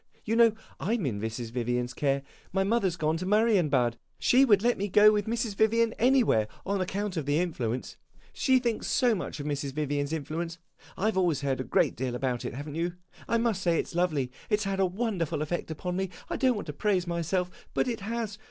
You know I 'm in Mrs. Vivian's care. My mother 's gone to Marienbad. She would let me go with Mrs. Vivian anywhere, on account of the influence she thinks so much of Mrs. Vivian's influence. I have always heard a great deal about it, have n't you? I must say it 's lovely; it 's had a wonderful effect upon me. I don't want to praise myself, but it has.